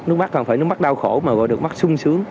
nước mắt cần phải nước mắt đau khổ mà gọi được mắt sung sướng